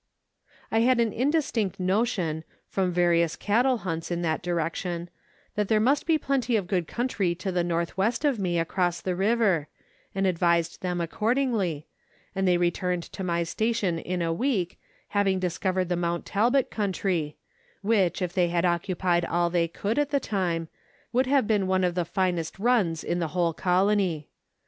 I had an indistinct notion, from various cattle hunts in that direction, that there must be plenty of good country to the north west of me across the river, and advised them accordingly, and they returned to my station in a week, having discovered the Mount Talbot country, which, if they had occupied all they could at the time, would have been one of the finest runs in the whole colony.